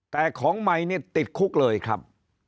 แต่ของใหม่เนี่ยติดคุกเลยครับ